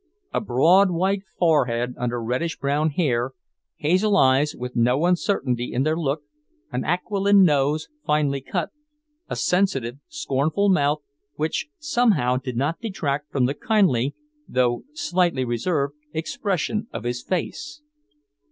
A broad white forehead under reddish brown hair, hazel eyes with no uncertainty in their look, an aquiline nose, finely cut, a sensitive, scornful mouth, which somehow did not detract from the kindly, though slightly reserved, expression of his face.